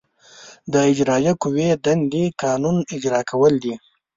د اجرائیه قوې دندې قانون اجرا کول دي.